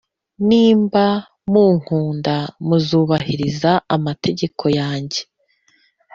Niba munkunda muzubahiriza amategeko yanjye